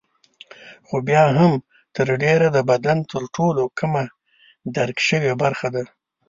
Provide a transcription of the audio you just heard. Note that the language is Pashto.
خو بیا هم تر ډېره د بدن تر ټولو کمه درک شوې برخه ده.